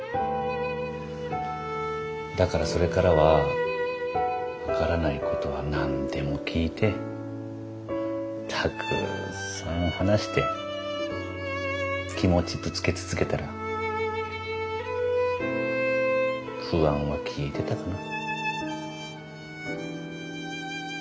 だからそれからは分からないことは何でも聞いてたくさん話して気持ちぶつけ続けたら不安は消えてたかな。